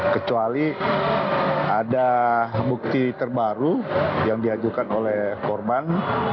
kecuali ada bukti terbaru yang diajukan oleh korban